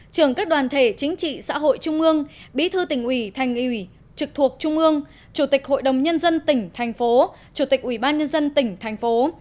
trưởng các đoàn thể chính trị xã hội trung ương bí thư tỉnh ủy thành ủy trực thuộc trung ương chủ tịch hội đồng nhân dân tỉnh thành phố chủ tịch ủy ban nhân dân tỉnh thành phố